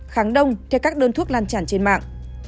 kháng đông theo các đơn thuốc lan tràn trên mạng